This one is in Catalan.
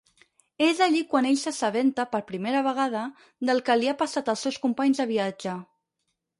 És allí quan ell s'assabenta per primera vegada del que li ha passat als seus companys de viatge.